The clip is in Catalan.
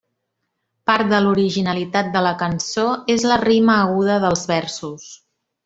Part de l'originalitat de la cançó és la rima aguda dels versos.